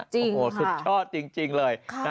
สุดชอบจริงเลย